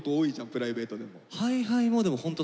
プライベートでも。